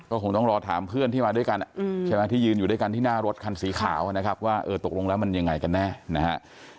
ก็คงต้องรอถามเพื่อนที่มาด้วยกันที่ยืนอยู่ด้วยกันที่หน้ารถคันสีขาวว่าตกลงแล้วมันยังไงกันแน่